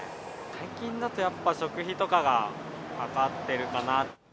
最近だとやっぱ、食費とかがかかってるかな。